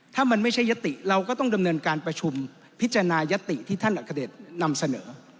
ถ้ามันไม่ใช่ยติเราก็ต้องดำเนินการประชุมพิจารณายติที่ท่านอัคเดชนำเสนอ